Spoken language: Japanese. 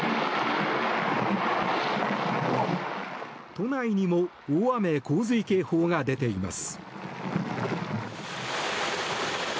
都内にも大雨・洪水警報が出ています。